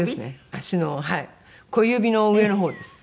はい小指の上の方です。